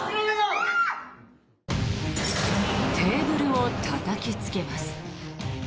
テーブルをたたきつけます。